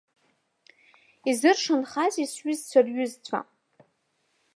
Изыршанхазеи сҩызцәа рҩызцәа?